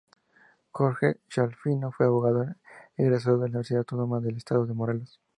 Jorge Schiaffino fue abogado egresado de la Universidad Autónoma del Estado de Morelos.